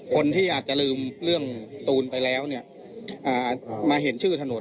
คนที่อาจจะลืมเรื่องตูนไปแล้วเนี่ยมาเห็นชื่อถนน